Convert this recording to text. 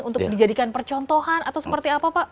untuk dijadikan percontohan atau seperti apa pak